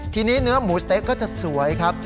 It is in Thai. ทีนี้เนื้อหมูสะเต๊ะก็จะสวยครับ